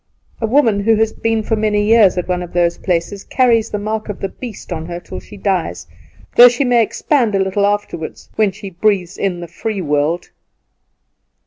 A woman who has been for many years in one of those places carries the mark of the beast on her till she dies, though she may expand a little afterward, when she breathes in the free world."